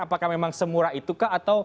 apakah memang semurah itu kah atau